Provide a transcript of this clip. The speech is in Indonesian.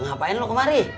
ngapain lo kemari